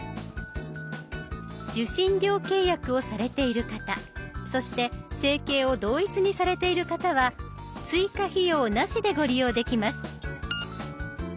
受信料契約をされている方そして生計を同一にされている方は追加費用なしでご利用できます。